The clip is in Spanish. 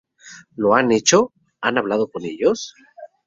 ¿ lo han hecho? ¿ han hablado con ellos?